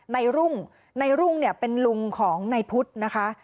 ในรุ่งในรุ่งเนี่ยเป็นลุงของนายพุทธนะคะ